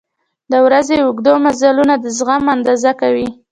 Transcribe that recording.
• د ورځې اوږده مزلونه د زغم اندازه کوي.